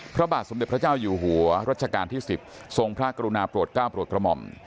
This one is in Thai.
พระบาทสมเด็จพระเจ้าอยู่หัวรัชกาลที่๑๐ทรงพระกรุณาโปรดก้าวโปรดกระหม่อม